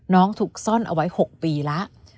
ถูกซ่อนเอาไว้๖ปีแล้ว